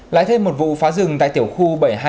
lại thêm một vụ phá rừng tại tiểu khu bảy trăm hai mươi bảy